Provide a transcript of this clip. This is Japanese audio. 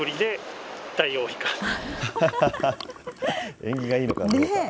縁起がいいのかどうか。